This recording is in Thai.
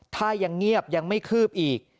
ถ้ายังเงียบยังไม่คืบอีก